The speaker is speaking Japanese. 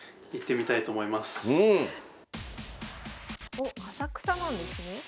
おっ浅草なんですね。